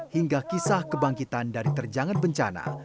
hingga kisah kebangkitan dari terjangan bencana